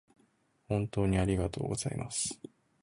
本当にありがとうございます